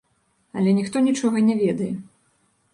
Але ніхто нічога не ведае.